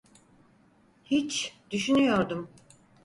Hiç, düşünüyordum.